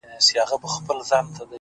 خیال دي ـ